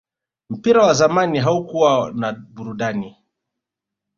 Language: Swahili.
mpira wa zamani haukuwa na burudani